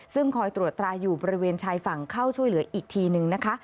ซึ่งคอยตรวจตราอยู่บริเวณชายฝั่งเข้าช่วยเหลืออีกทีนึงนะคะ